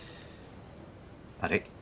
あれ？